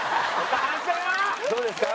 どうですか？